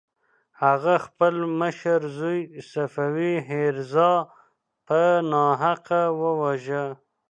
هغه خپل مشر زوی صفي میرزا په ناحقه وواژه.